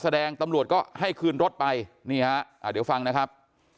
แสดงตำรวจก็ให้คืนรถไปนี่ฮะอ่าเดี๋ยวฟังนะครับ